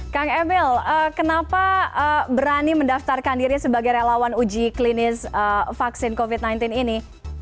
kang emil kenapa berani mendaftarkan diri sebagai relawan uji klinis vaksin covid sembilan belas ini